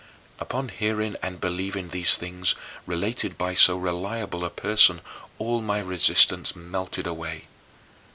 9. Upon hearing and believing these things related by so reliable a person all my resistance melted away.